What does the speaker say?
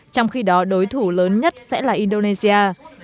trong khi đó đối thủ lớn nhất sẽ là indonesia